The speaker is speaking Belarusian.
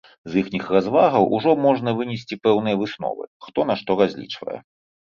З іхніх развагаў ужо можна вынесці пэўныя высновы, хто на што разлічвае.